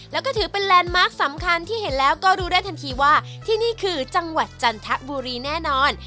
แล้วก็ถือเป็นแลนด์มาร์คสำคัญที่เห็นแล้วก็รู้ได้ทันทีว่าที่นี่คือจังหวัดจันทบุรีแน่นอน